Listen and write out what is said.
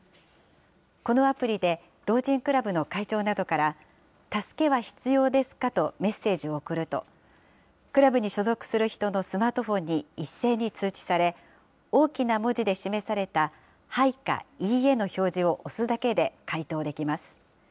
このアプリで老人クラブの会長などから、助けは必要ですかとメッセージを送ると、クラブに所属する人のスマートフォンに一斉に通知され、大きな文字で示された、はいかいいえの表示を押すだけで回答できます。